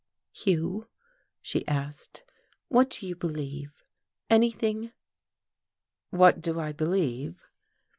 "Hugh," she asked, "what do you believe? Anything?" "What do I believe?"